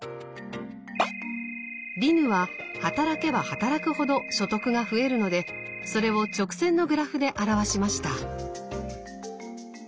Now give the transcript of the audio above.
ディヌは働けば働くほど所得が増えるのでそれを直線のグラフで表しました。